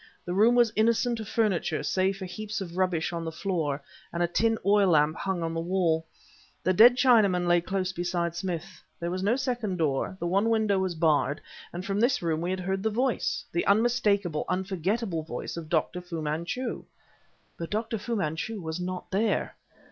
The room was innocent of furniture, save for heaps of rubbish on the floor, and a tin oil lamp hung, on the wall. The dead Chinaman lay close beside Smith. There was no second door, the one window was barred, and from this room we had heard the voice, the unmistakable, unforgettable voice, of Dr. Fu Manchu. But Dr. Fu Manchu was not there!